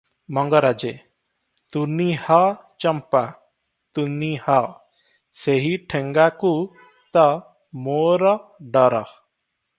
ମଙ୍ଗରାଜେ - ତୁନି ହ ଚମ୍ପା, ତୁନି ହ! ସେହି ଠେଙ୍ଗାକୁ ତ ମୋର ଡର ।